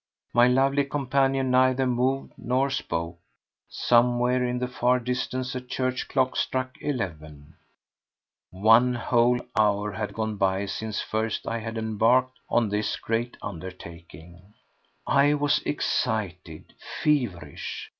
My lovely companion neither moved nor spoke. Somewhere in the far distance a church clock struck eleven. One whole hour had gone by since first I had embarked on this great undertaking. I was excited, feverish.